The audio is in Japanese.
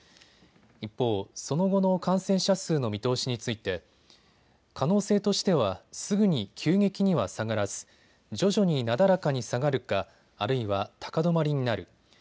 一方、その後の感染者数の見通しについて可能性としてはすぐに急激には下がらず徐々になだらかに下がるかあるいは高止まりになる。